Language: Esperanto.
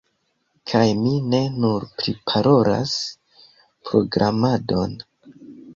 Kaj mi ne nur priparolas programadon